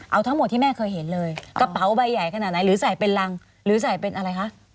เอาทั้งหมดที่แม่เคยเห็นเลยกระเป๋าใบใหญ่ขนาดไหนหรือใส่เป็นรังหรือใส่เป็นอะไรคะ